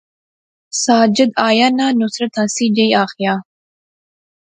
ساجد آیا ناں، نصرت ہنسی جے آخیا